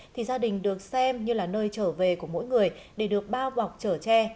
thì gia đình được xem như là nơi trở về của mỗi người để được bao bọc trở tre